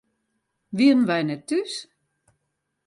Wienen wy net thús?